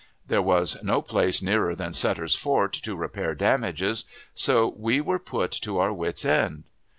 There was no place nearer than Sutter's Fort to repair damages, so we were put to our wits' end.